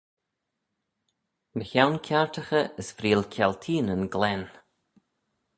Mychione kiartaghey as freayll kialteenyn glen.